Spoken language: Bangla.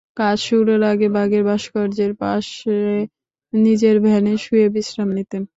কাজ শুরুর আগে বাঘের ভাস্কর্যের পাশে নিজের ভ্যানে শুয়ে বিশ্রাম নিতেন।